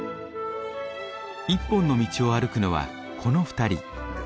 一本の道を歩くのはこの２人。